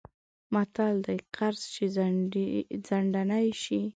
متل دی: قرض چې ځنډنی شی...